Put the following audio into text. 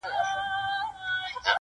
• چيغې د شپې فضا ډکوي ډېر..